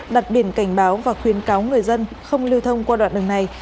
đặt biển cảnh báo và khuyến cáo người dân không lưu thông qua đoạn đường này